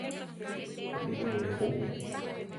¿Kulíwami ju?